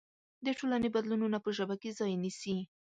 د ټولنې بدلونونه په ژبه کې ځای نيسي.